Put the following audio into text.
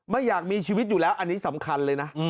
ไม่อยากมีชีวิตอยู่แล้วอันนี้สำคัญเลยนะ